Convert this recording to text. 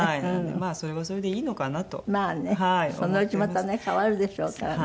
まあねそのうちまたね変わるでしょうからね。